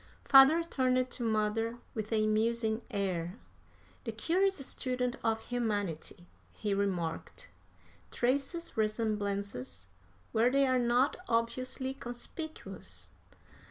Father turned to mother with a musing air. "The curious student of humanity," he remarked, "traces resemblances where they are not obviously conspicuous.